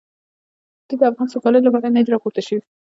دوی د افغان سوکالۍ لپاره نه دي راپورته شوي.